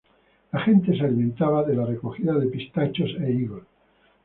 La gente se alimentaba de la recogida de pistachos e higos.